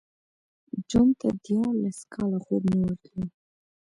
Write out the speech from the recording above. جون ته دیارلس کاله خوب نه ورتلو